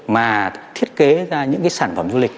mà thiết kế ra những sản phẩm du lịch